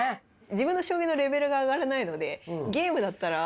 自分の将棋のレベルが上がらないのでゲームだったら。